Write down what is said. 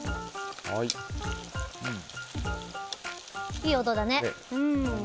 いい音だね。